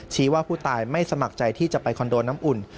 ว่าผู้ตายไม่สมัครใจที่จะไปคอนโดน้ำอุ่น